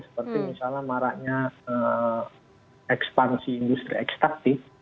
seperti misalnya maraknya ekspansi industri ekstraktif